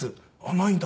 「ないんだ。